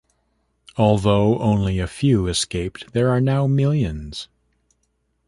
Although only a few escaped, there are now millions.